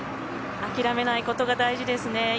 諦めないことが大事ですね。